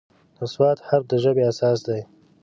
د "ص" حرف د ژبې اساس دی.